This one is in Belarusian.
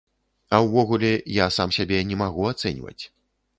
А ўвогуле, я сам сябе не магу ацэньваць.